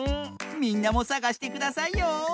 みんなもさがしてくださいよ。